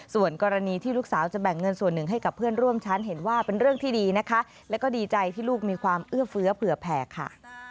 ส่วนกรณีที่ลูกสาวจะแบ่งเงินส่วนหนึ่งให้กับเพื่อนร่วมชั้นเห็นว่าเป็นเรื่องที่ดีนะคะแล้วก็ดีใจที่ลูกมีความเอื้อเฟื้อเผื่อแผ่ค่ะ